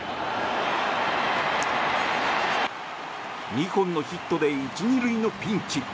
２本のヒットで１・２塁のピンチ。